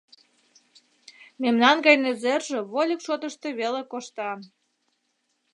Мемнан гай незерже вольык шотышто веле коштан.